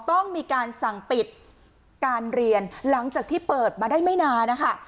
ต้องมีการสั่งปิดการเรียนหลังจากที่เปิดมาได้ไม่นานนะคะ